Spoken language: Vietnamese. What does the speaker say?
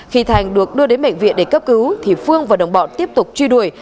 khi thành được đưa đến bệnh viện để cấp cứu thì phương và đồng bọn tiếp tục truy đuổi